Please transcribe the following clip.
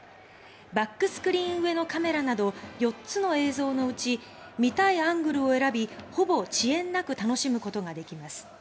バックスクリーン上のカメラなど４つの映像のうち見たいアングルを選びほぼ遅延なく楽しむことができます。